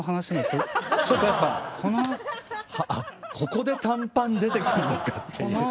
ここで短パン出てくんのかっていう。